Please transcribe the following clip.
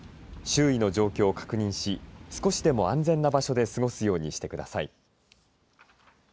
周囲の状況を確認し少しでも安全な場所で過ごすようにしてください。